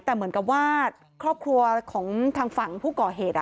แต่เหมือนกับว่าครอบครัวของทางฝั่งผู้ก่อเหตุ